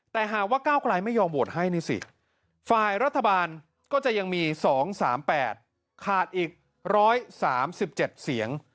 แต่หากว่าก้าวกลายไม่ยอมโหวตให้นี่สิฝ่ายรัฐบาลก็จะยังมี๒๓๘ขาดอีก๑๓๗เสียง